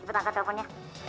cepet angkat teleponnya